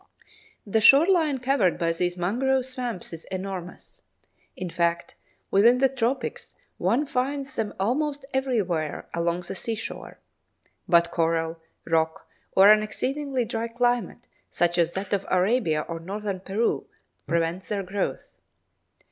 The shore line covered by these mangrove swamps is enormous. In fact, within the tropics one finds them almost everywhere along the seashore, but coral, rock, or an exceedingly dry climate such as that of Arabia or Northern Peru, prevents their growth.